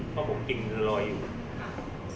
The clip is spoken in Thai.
เพราะผมกินมาร้อยอยู่